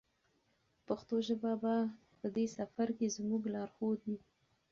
پښتو ژبه به په دې سفر کې زموږ لارښود وي.